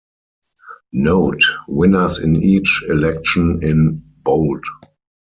"Note: winners in each election in" bold.